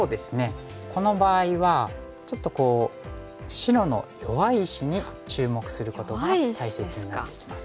この場合はちょっと白の弱い石に注目することが大切になってきます。